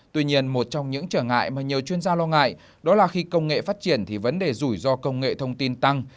tuy nhiên một trong những trở ngại mà nhiều chuyên gia lo ngại đó là khi công nghệ phát triển thì vấn đề rủi ro công nghệ thông tin tăng